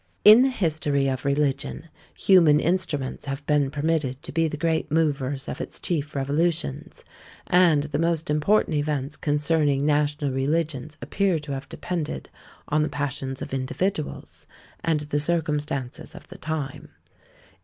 In the history of religion, human instruments have been permitted to be the great movers of its chief revolutions; and the most important events concerning national religions appear to have depended on the passions of individuals, and the circumstances of the time.